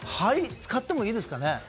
使ってもいいですかね。